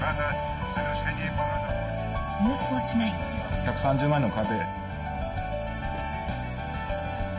１３０万円の壁。